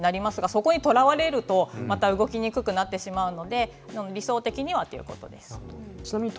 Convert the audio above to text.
そこにとらわれると、また動きにくくなってしまうので理想的にはということです。